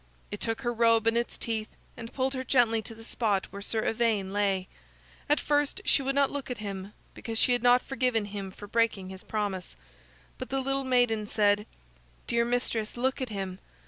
It took her robe in its teeth and pulled her gently to the spot where Sir Ivaine lay. At first she would not look at him, because she had not forgiven him for breaking his promise. But the little maiden said: "Dear mistress, look at him.